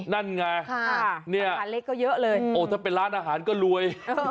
นั่นไงสาขาเล็กก็เยอะเลยถ้าเป็นร้านอาหารก็รวย